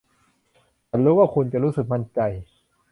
ฉันรู้ว่าคุณจะรู้สึกมั่นใจ